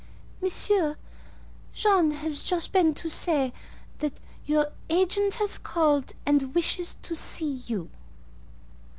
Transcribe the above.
"Monsieur, John has just been to say that your agent has called and wishes to see you."